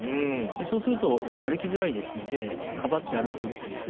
そうするとやっぱり歩きづらいですのでかばって歩いているとですね